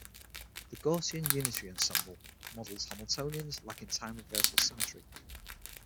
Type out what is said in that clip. The Gaussian unitary ensemble models Hamiltonians lacking time-reversal symmetry.